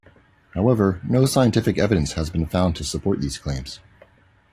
However, no scientific evidence has been found to support these claims.